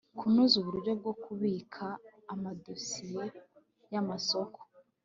kunoza uburyo bwo kubika amadosiye y amasoko